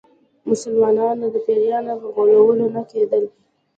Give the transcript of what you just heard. مسلمانانو د پیرانو په غولولو نه کېدل.